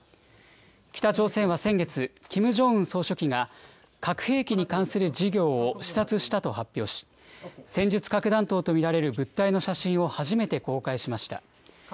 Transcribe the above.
北朝鮮は先月、キム・ジョンウン総書記が、核兵器に関する事業を視察したと発表し、戦術核弾頭と見られる物体の写真を初めて公開しました。